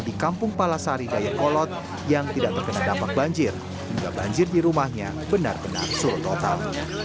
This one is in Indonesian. di kampung palasari dayakolot yang tidak terkena dampak banjir hingga banjir di rumahnya benar benar surut total